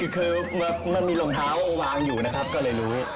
คือมันมีรองเท้าวางอยู่นะครับก็เลยรู้